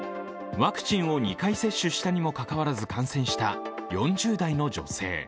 ワクチンを２回接種したにもかかわらず感染した４０代の女性。